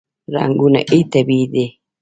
رنګونه یې طبیعي دي.